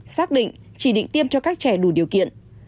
xác định chỉ định tiêm cho các trẻ đủ điều kiện